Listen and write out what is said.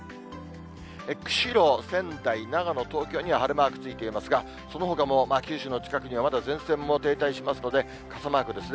釧路、仙台、長野、東京には晴れマークついていますが、そのほか、九州の近くにはまだ前線も停滞しますので、傘マークですね。